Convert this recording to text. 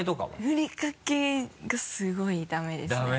ふりかけがすごいダメですね。